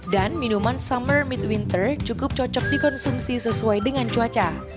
dan minuman summer midwinter cukup cocok dikonsumsi sesuai dengan cuaca